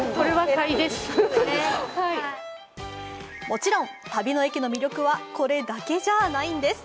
もちろん旅の駅の魅力はこれだけじゃないんです。